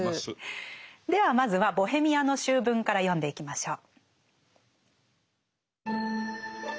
ではまずは「ボヘミアの醜聞」から読んでいきましょう。